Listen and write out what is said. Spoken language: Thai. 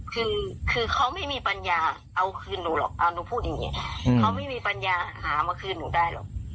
คือคือเขาไม่มีปัญญาเอาคืนหนูหรอกเอาหนูพูดอย่างนี้เขาไม่มีปัญญาหามาคืนหนูได้หรอก